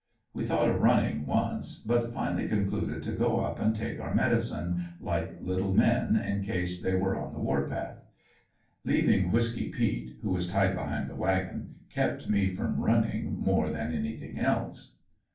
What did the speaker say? We thought of running once, but finally concluded to go up and take our medicine like little men, in case they were on the war path. Leaving Whisky peet, who was tied behind the wagon, kept me from running more than anything else.